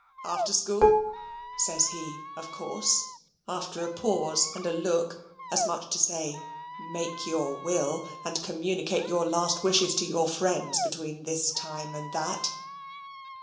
"After school," says he, of course; after a pause and a look, as much as to say, "Make your will, and communicate your last wishes to your friends between this time and that."